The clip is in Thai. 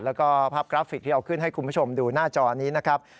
แล้วก็ภาพกราฟิกที่เอาขึ้นให้คุณผู้ชมดูหน้าจอนี้นะครับ